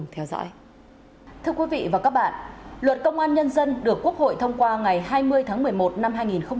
thông qua ngày hai mươi tháng một mươi một năm hai nghìn một mươi tám